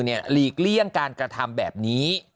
หลีกเลี่ยงการกระทำแบบนี้